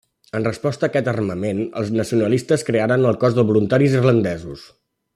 En resposta a aquest armament els nacionalistes crearen el cos de Voluntaris Irlandesos.